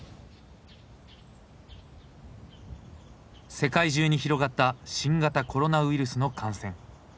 世界中に広がった新型コロナウイルスの感染。